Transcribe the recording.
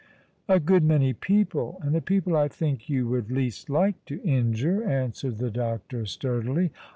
" A good many people, and the people I think you would least like to injure," answered the doctor, sturdily.